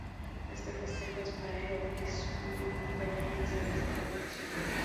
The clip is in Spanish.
Este festejo es para el y su Público que vio nacer esta Agrupación.